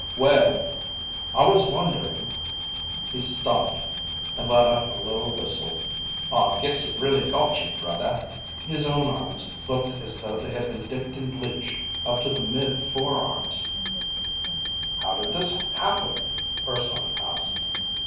"Well, I was wondering ..." He stopped, and let out a low whistle. "I guess it really got you, brother." His own arms looked as though they had been dipped in bleach up to the mid forearms. "How did this happen?" Urson asked.